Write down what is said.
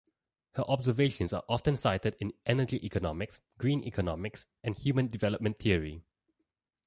Her observations are often cited in energy economics, green economics and human development theory.